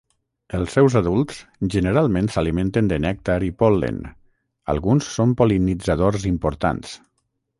Els seus adults generalment s'alimenten de nèctar i pol·len, alguns són pol·linitzadors importants.